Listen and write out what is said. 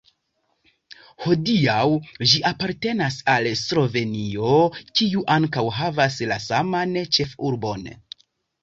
Hodiaŭ ĝi apartenas al Slovenio, kiu ankaŭ havas la saman ĉefurbon.